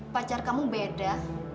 pacar kamu berbeda